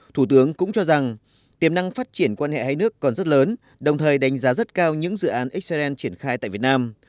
thủ tướng cũng cho rằng tiềm năng phát triển quan hệ hai nước còn rất lớn đồng thời đánh giá rất cao những dự án israel triển khai tại việt nam